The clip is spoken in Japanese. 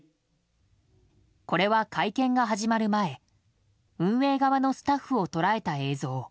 これは、会見が始まる前運営側のスタッフを捉えた映像。